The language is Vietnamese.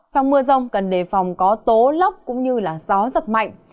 trong mưa rông cần đề phòng có tố lốc cũng như gió giật mạnh